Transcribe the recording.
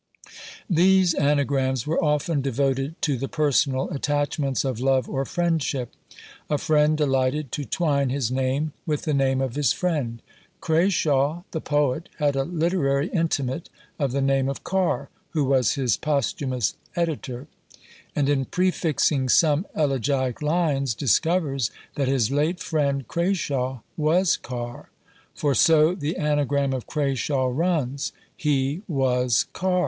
_ These anagrams were often devoted to the personal attachments of love or friendship. A friend delighted to twine his name with the name of his friend. Crashawe, the poet, had a literary intimate of the name of Car, who was his posthumous editor; and, in prefixing some elegiac lines, discovers that his late friend Crashawe was Car; for so the anagram of Crashawe runs: _He was Car.